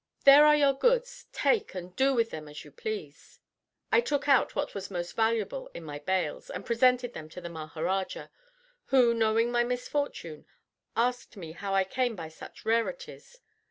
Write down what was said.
There are your goods; take and do with them as you please." I took out what was most valuable in my bales, and presented them to the Maharaja, who, knowing my misfortune, asked me how I came by such rarities.